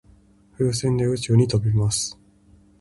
風船で宇宙に飛びます。